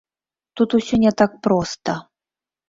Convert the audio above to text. Тут усё не так проста.